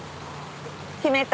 決めた。